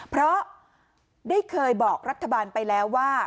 เพราะได้เคยบอกรัฐบาลไปแล้วว่า